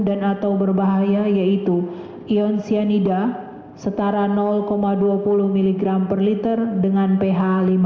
dan atau berbahaya yaitu ion cyanide setara dua puluh mg per liter dengan ph lima lima